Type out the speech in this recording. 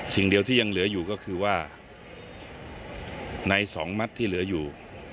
สิ่งเดียวที่ยังเหลืออยู่ก็คือว่าในสองมัดที่เหลืออยู่